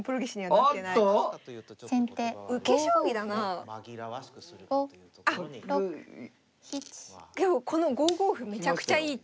あっでもこの５五歩めちゃくちゃいい手。